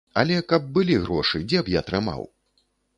Але каб былі грошы, дзе б я трымаў?